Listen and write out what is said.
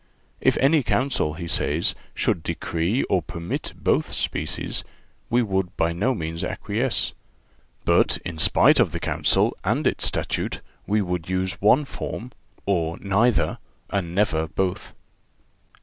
"If any Council," he says, "should decree or permit both species, we would by no means acquiesce; but, in spite of the Council and its statute, we would use one form, or neither, and never both."